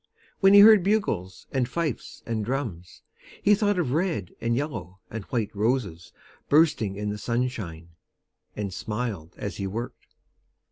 When he heard bugles, and fifes, and drums, He thought of red, and yellow, and white roses Bursting in the sunshine, And smiled as he worked.